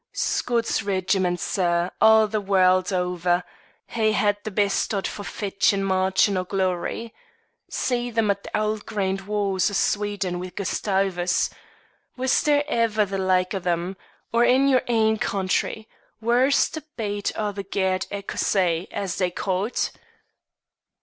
Scots regiments, sir, a' the warld ower, hae had the best o't for fechtin', marchin', or glory. See them at the auld grand wars o' Sweden wi' Gus tavus, was there ever the like o' them? Or in your ain country, whaure's the bate o' the Gairde Ecossay, as they ca't?"